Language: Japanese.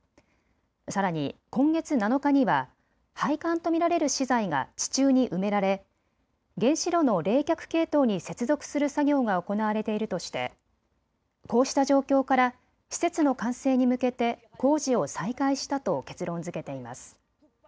さらに今月７日には配管と見られる資材が地中に埋められ原子炉の冷却系統に接続する作業が行われているとしてこうした状況から施設の完成に向けて工事を再開したと結論づけています。